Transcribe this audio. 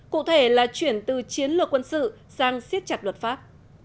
cụ thể là chuyển từ chiến lược quân sự sang siết chặt luật pháp